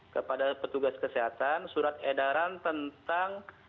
kepada petugas kesehatan surat edaran tentang